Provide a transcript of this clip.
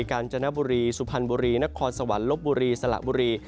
กาญจนบุรีสุพรรณบุรีนครสวรรค์ลบบุรีสละบุรี